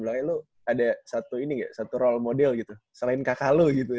lu ada satu ini gak satu role model gitu selain kakak lu gitu ya